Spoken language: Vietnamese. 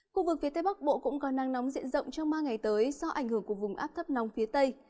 khu vực phía tây bắc bộ cũng có nắng nóng diện rộng trong ba ngày tới do ảnh hưởng của vùng áp thấp nóng phía tây